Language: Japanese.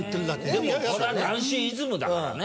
でもそれは談志イズムだからね。